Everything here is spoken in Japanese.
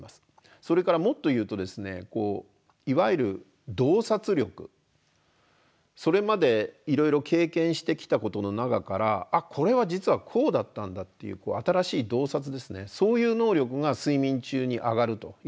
それからもっと言うとですねいわゆる洞察力それまでいろいろ経験してきたことの中からあっこれは実はこうだったんだっていう新しい洞察ですねそういう能力が睡眠中に上がるということも分かってるんですね。